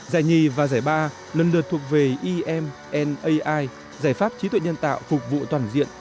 giải nhì và giải ba lần lượt thuộc về emnai giải pháp trí tuệ nhân tạo phục vụ toàn diện